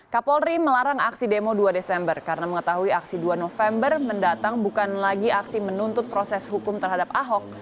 kapolri melarang aksi demo dua desember karena mengetahui aksi dua november mendatang bukan lagi aksi menuntut proses hukum terhadap ahok